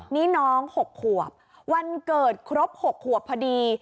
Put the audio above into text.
นี่น้อง๖ขวบวันเกิดครบ๖ขวบพอดี